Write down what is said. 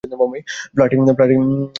Flirting করা কি জরুরী?